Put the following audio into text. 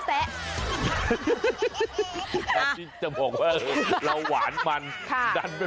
ต้องเจอกับคุณนะ